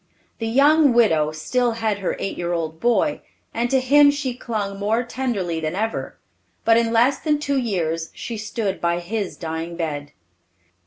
The young widow still had her eight year old boy, and to him she clung more tenderly than ever, but in less than two years she stood by his dying bed.